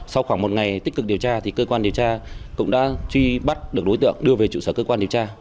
sau khoảng một ngày tích cực điều tra thì cơ quan điều tra cũng đã truy bắt được đối tượng đưa về trụ sở cơ quan điều tra